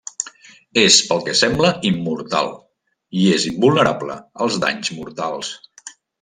És pel que sembla immortal, i és invulnerable als danys mortals.